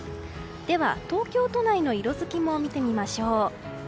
では東京都内の色づきも見てみましょう。